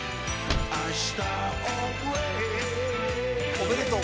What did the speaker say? おめでとう。